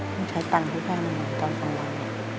ต้องใช้ตังค์แพงตอนกองวัน